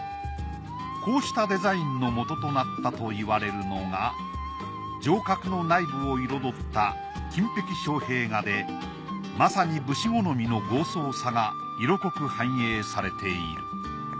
こうしたデザインの元となったと言われるのが城郭の内部を彩った金碧障屏画でまさに武士好みの豪壮さが色濃く反映されている。